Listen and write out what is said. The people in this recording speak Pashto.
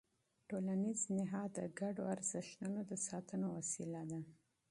ټولنیز نهاد د ګډو ارزښتونو د ساتنې وسیله ده.